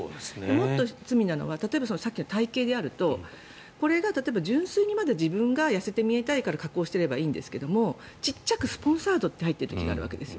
もっと罪なのは例えば、さっきの体形だとこれが純粋にまだ自分が痩せて見えたいから加工してればいいんですけど小さくスポンサードって入っている場合があるんです。